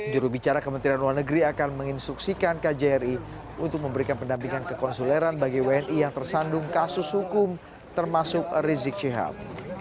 jurubicara kementerian luar negeri akan menginstruksikan kjri untuk memberikan pendampingan kekonsuleran bagi wni yang tersandung kasus hukum termasuk rizik syihab